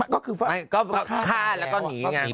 ก็คือก็ฆ่าแล้วก็หนีไง